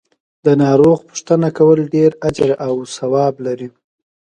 د ناروغ پو ښتنه کول ډیر اجر او ثواب لری .